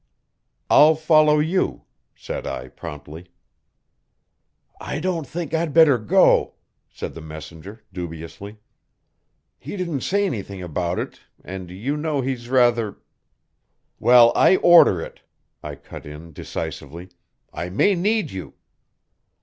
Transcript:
"I'll follow you," said I promptly. "I don't think I'd better go," said the messenger dubiously. "He didn't say anything about it, and you know he's rather " "Well, I order it," I cut in decisively. "I may need you."